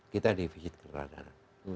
kita defisit keteradangan